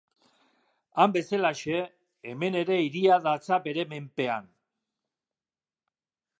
Han bezalaxe, hemen ere hiria datza bere menpean.